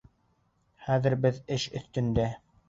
Хәҙер беҙ эш өҫтөндә.